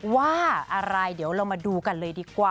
ว่าอะไรเดี๋ยวเรามาดูกันเลยดีกว่า